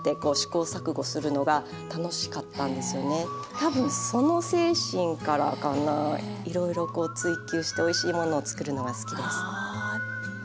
多分その精神からかなあいろいろこう追求しておいしいものを作るのが好きです。